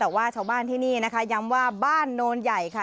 แต่ว่าชาวบ้านที่นี่นะคะย้ำว่าบ้านโนนใหญ่ค่ะ